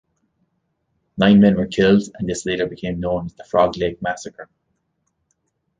Nine men were killed, and this later became known as the Frog Lake Massacre.